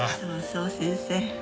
そうそう先生。